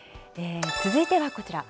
続いてはこちら。